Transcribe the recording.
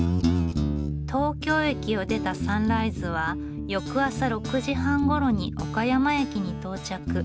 東京駅を出たサンライズは翌朝６時半ごろに岡山駅に到着。